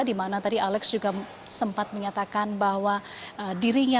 dimana tadi alex juga sempat menyatakan bahwa dirinya